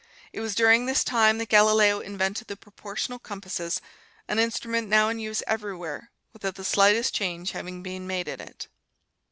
It was during this time that Galileo invented the proportional compasses, an instrument now in use everywhere, without the slightest change having been made in it.